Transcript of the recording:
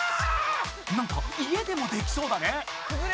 なんか家でもできそうだね。